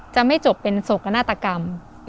จะไม่จบเป็นโศกนาฏกรรม